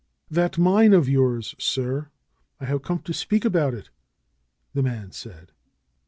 "That mine of yours, sir; I have come to speak about it," the man said.